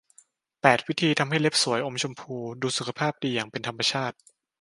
แปด วิธีทำให้เล็บสวย อมชมพู ดูสุขภาพดีอย่างเป็นธรรมชาติ